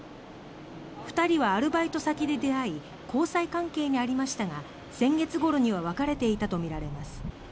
２人はアルバイト先で出会い交際関係にありましたが先月ごろには別れていたとみられます。